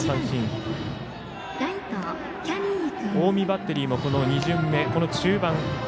近江バッテリーも２巡目中盤。